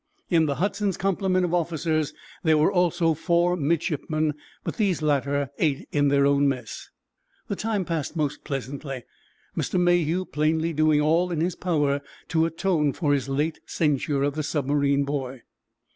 In the "Hudson's" complement of officers there were also four midshipmen, but these latter ate in their own mess. The time passed most pleasantly, Mr. Mayhew plainly doing all in his power to atone for his late censure of the submarine boy.